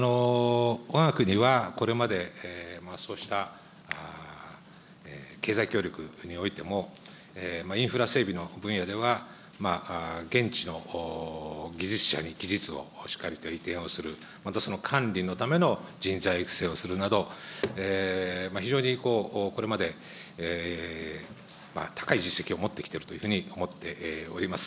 わが国はこれまで、そうした経済協力においても、インフラ整備の分野では、現地の技術者に技術をしっかりと移転をするまたその管理のための人材育成をするなど、非常にこれまで高い実績を持ってきているというふうに思っております。